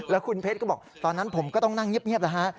แล้วคุณเพชรก็บอกตอนนั้นผมก็ต้องนั่งเงียบแล้วฮะ